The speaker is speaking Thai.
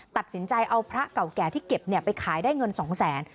ตัดสินใจเอาพระเก่าแก่ที่เก็บไปขายได้เงิน๒แสน